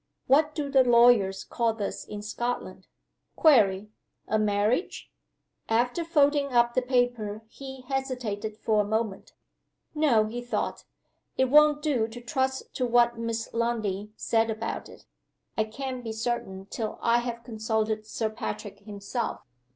What do the lawyers call this in Scotland? (Query: a marriage?)" After folding up the paper he hesitated for a moment. "No!" he thought, "It won't do to trust to what Miss Lundie said about it. I can't be certain till I have consulted Sir Patrick himself."